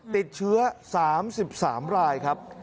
ติดเชื้อ๓๓รายครับ